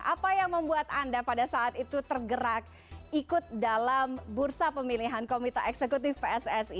apa yang membuat anda pada saat itu tergerak ikut dalam bursa pemilihan komite eksekutif pssi